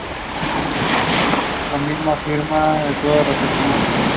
Por esta acción Fidalgo fue duramente reprendido por sus oficiales superiores.